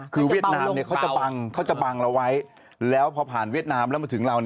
คือเวียดนามเขาจะบังเขาจะบังเราไว้แล้วพอผ่านเวียดนามแล้วมาถึงเรา